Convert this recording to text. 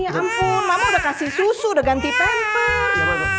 ya ampun mama udah kasih susu udah ganti pemper